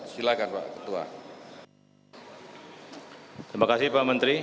silakan pak ketua